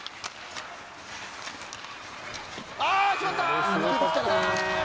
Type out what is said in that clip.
あ！